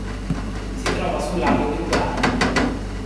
Si trova sul Lago di Lugano.